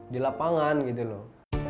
di lapangan gitu loh